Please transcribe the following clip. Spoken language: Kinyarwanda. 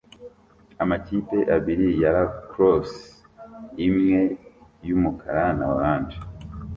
Amakipe abiri ya lacrosse - imwe yumukara na orange